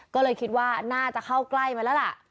ก็เลยคิดว่าน่าจะเข้าใกล้มาแล้วล่ะ